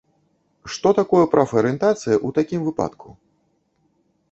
Што такое прафарыентацыя ў такім выпадку?